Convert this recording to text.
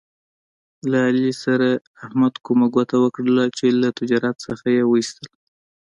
له علي سره احمد کومه ګوته وکړله، چې له تجارت څخه یې و ایستلا.